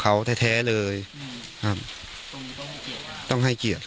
การแก้เคล็ดบางอย่างแค่นั้นเอง